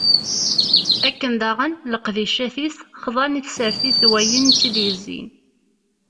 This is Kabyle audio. Akken daɣen, leqdicat-is, xḍan i tsertit d wayen i tt-id-yezzin.